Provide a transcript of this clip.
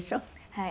はい。